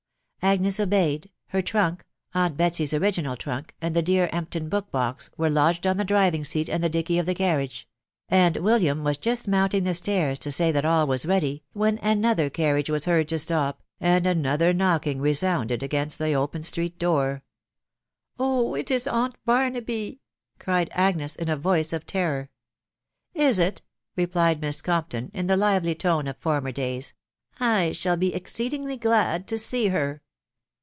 Agnes ctoeved. .•.. W trans: .... aunt Betsy's original trunk, and line Ab« f»m^\^\*^As&^>'i«* THB WTDOW BAKNABT. 387 lodged on the driving seat and the dickey of the carriage ; and William was just mounting the stabs to say that all was, ready, when another carriage was heard to stop, and another knocking resounded against the open street door. "Oh! it is aunt Barnaby!" cried Agnes in a voica of terror. " Is it?* replied Miss Conrpton, in the livery tone of former days* " I shall he exceedingly glad to see her.